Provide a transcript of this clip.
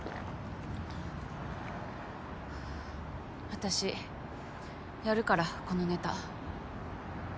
私やるからこのネタ。